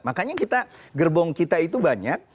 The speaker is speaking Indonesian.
makanya kita gerbong kita itu banyak